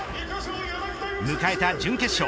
迎えた準決勝。